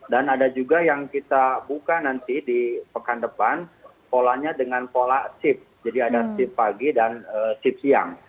dan ada juga yang kita buka nanti di pekan depan polanya dengan pola sip jadi ada sip pagi dan sip siang